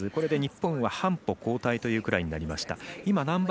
これで日本は半歩後退というぐらいになりました。